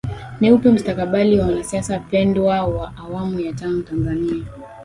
Ni upi mustakabali wa wanasiasa pendwa wa awamu ya tano Tanzania